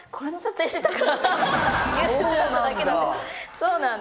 そうなんだ？